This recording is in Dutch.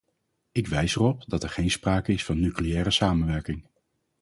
Ik wijs erop dat er geen sprake is van nucleaire samenwerking.